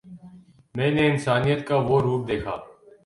میں نے انسانیت کا وہ روپ دیکھا